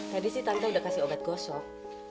tadi sih tante udah kasih obat gosok